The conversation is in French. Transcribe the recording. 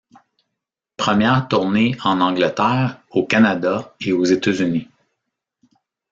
Premières tournées en Angleterre, au Canada et aux Etats-Unis.